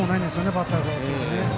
バッターからするとね。